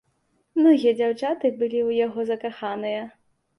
Многія дзяўчаты былі ў яго закаханыя.